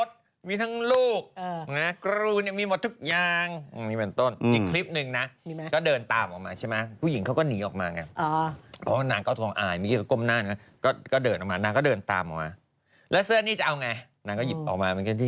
เสียงเขาเขาไม่ได้ขนาดนี้ละเสียงเขาน้อยกว่าพี่มากเลยในคลิปเมื่อกี้